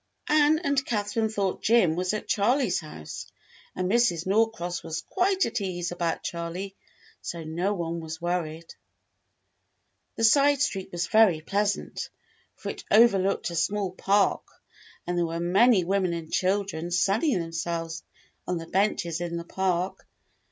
Ann and Catherine thought Jim was at Charley's house, and Mrs. Norcross was quite at ease about Charley, so no one was worried. The side street was very pleasant, for it overlooked a small park, and there were many women and chil dren sunning themselves on the benches in the park.